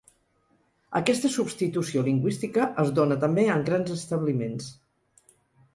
Aquesta substitució lingüística es dóna també en grans establiments.